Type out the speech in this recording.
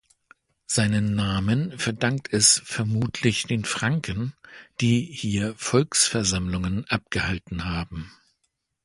Seinen Namen verdankt es vermutlich den Franken, die hier Volksversammlungen abgehalten haben.